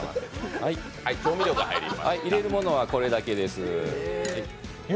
入れるものはこれだけです。